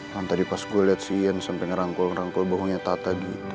kan tadi pas gue liat si iyan sampe ngerangkul ngerangkul bohongnya tata gitu